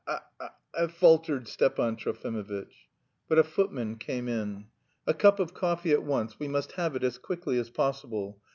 "I... I..." faltered Stepan Trofimovitch. But a footman came in. "A cup of coffee at once, we must have it as quickly as possible!